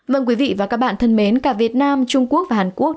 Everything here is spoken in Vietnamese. vâng quý vị và các bạn thân mến cả việt nam trung quốc và hàn quốc